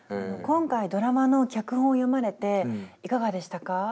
今回ドラマの脚本読まれていかがでしたか？